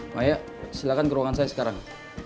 maya silakan ke ruangan saya sekarang